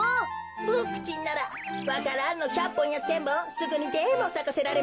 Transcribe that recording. ボクちんならわか蘭の１００ぽんや１，０００ぼんすぐにでもさかせられますがね。